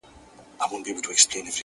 • خو زما په عقیده ,